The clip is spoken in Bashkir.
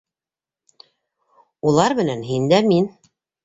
Улар менән һин дә мин.